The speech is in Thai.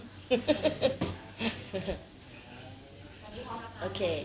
พ่อพี่พร้อมค่ะ